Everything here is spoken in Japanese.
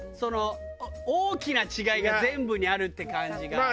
大きな違いが全部にあるって感じがない。